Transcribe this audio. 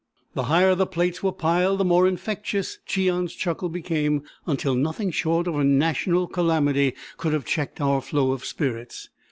The higher the plates were piled the more infectious Cheon's chuckle became, until nothing short of a national calamity could have checked our flow of spirits.